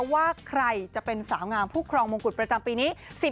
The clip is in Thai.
ว่าใครจะเป็นสาวงามผู้ครองมงกุฎประจำปีนี้